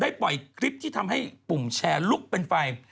ปล่อยคลิปที่ทำให้ปุ่มแชร์ลุกเป็นไฟ